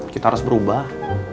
kita harus berubah